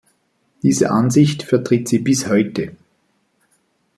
Diese Ansicht vertritt sie bis heute.